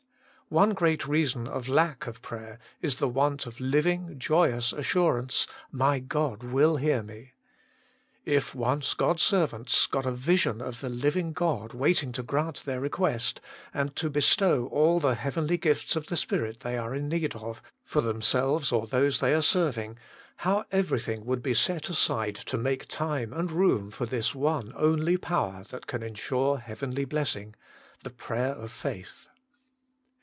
One great reason of lack of prayer is the want of the living, joyous assurance :" My God will hear me." If once God s servants got a vision of the living God waiting to grant their request, and to bestow all the heavenly gifts of the Spirit they are in need of, for themselves or those they are serving, how every thing would be set aside to make time and room for this one only power that can ensure heavenly blessing the prayer of faith